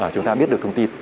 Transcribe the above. chúng ta biết được thông tin